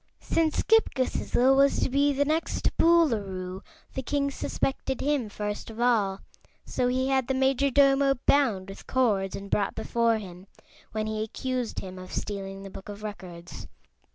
Since Ghip Ghisizzle was to be the next Boolooroo, the king suspected him first of all, so he had the Majordomo bound with cords and brought before him, when he accused him of stealing the Book of Records.